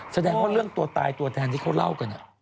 แสดงว่าเรื่องตัวตายตัวแทนที่เขาเล่ากัน